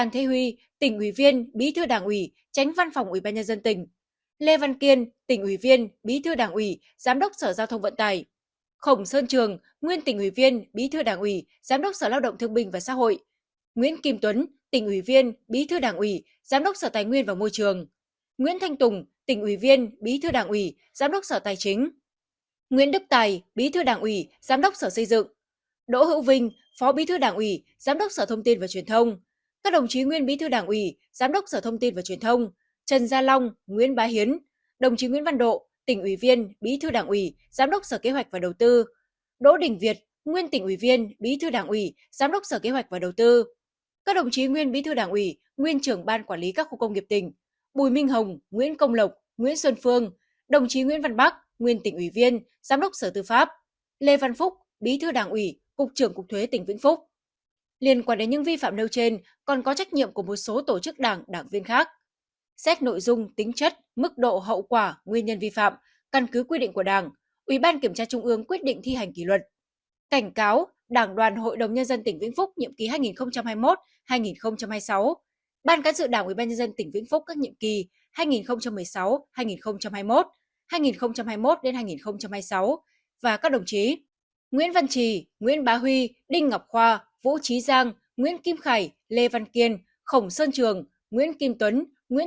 trách nhiệm đối với những vi phạm nêu trên thuộc về ban thưởng vụ tỉnh uy vĩnh phúc các nhiệm kỳ hai nghìn một mươi năm hai nghìn hai mươi đảng đoàn hội đồng nhân dân tỉnh ban cán sự đảng uy vĩnh phúc các nhiệm kỳ hai nghìn một mươi sáu hai nghìn hai mươi đảng đoàn hội đồng nhân dân tỉnh ban cán sự đảng uy vĩnh phúc các nhiệm kỳ hai nghìn một mươi sáu hai nghìn hai mươi